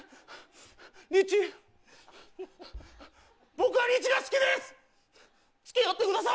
僕はリチが好きです！